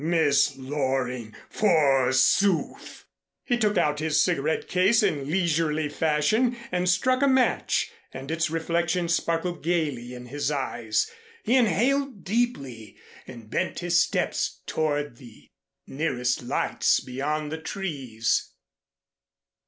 Miss Loring, forsooth! He took out his cigarette case in leisurely fashion and struck a match, and its reflection sparkled gayly in his eyes. He inhaled deeply and bent his steps toward the nearest lights beyond the trees.